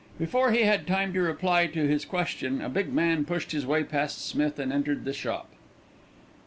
Before he had time to reply to his question, a big man pushed his way past Smith and entered the shop.